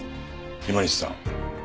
今西さん